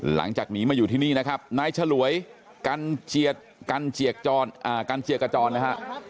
หลังจากหนีมาอยู่ที่นี่นะครับนายฉลวยกันเจียดกันเจียกจรนะฮะ